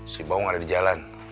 si bawong ada di jalan